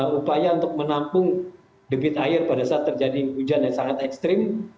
upaya untuk menampung debit air pada saat terjadi hujan yang sangat ekstrim